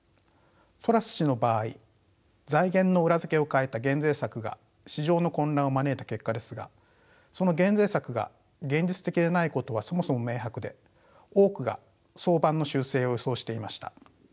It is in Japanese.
トラス氏の場合財源の裏付けを欠いた減税策が市場の混乱を招いた結果ですがその減税策が現実的でないことはそもそも明白で多くが早晩の修正を予想していました。